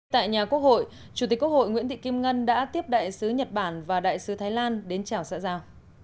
tại nhà quốc hội chủ tịch quốc hội nguyễn thị kim ngân đã tiếp đại sứ nhật bản và đại sứ thái lan đến chào xã giao